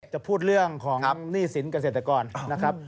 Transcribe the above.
จะพูดเรื่องของหนี้สินเกษตรกรนะครับ